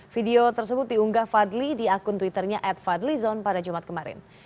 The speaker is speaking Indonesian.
video tersebut diunggah fadli di akun twitternya at fadli zon pada jumat kemarin